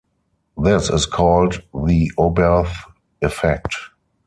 This is called the Oberth effect.